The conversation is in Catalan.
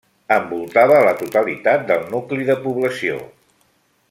Envoltava la totalitat del nucli de població.